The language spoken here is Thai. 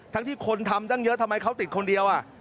ที่คนทำตั้งเยอะทำไมเขาติดคนเดียว